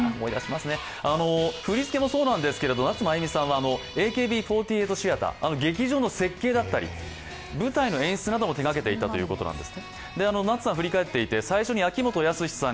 振り付けもそうなんですけども夏まゆみさんはＡＫＢ４８シアター、劇場だったり舞台の演出も手がけていたそうです。